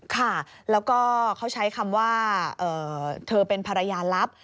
ค่ะแล้วก็เขาใช้คำว่าเธอเป็นภรรยาลับ